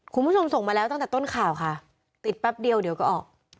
คุณผู้ชมส่งมาแล้วตั้งแต่ต้นข่าวค่ะติดแป๊บเดียวเดี๋ยวก็ออก